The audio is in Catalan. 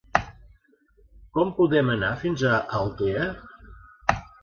Com podem anar fins a Altea?